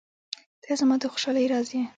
• ته زما د خوشحالۍ راز یې.